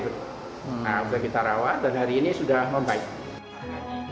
nah sudah kita rawat dan hari ini sudah non baik